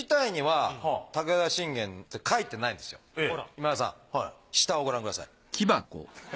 今田さん下をご覧ください。